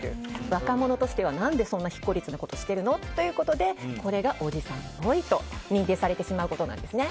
若者としては何でそんな非効率なことしてるの？ということでこれがおじさんっぽいと認定されてしまうということなんですね。